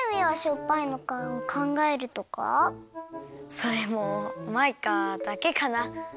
それもマイカだけかな。